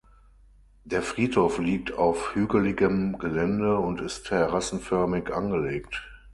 Der Friedhof liegt auf hügeligem Gelände und ist terrassenförmig angelegt.